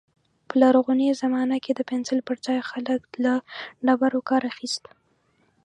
په لرغوني زمانه کې د پنسل پر ځای خلک له ډبرو کار اخيست.